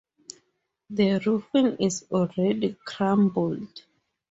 The roofing is already crumbled.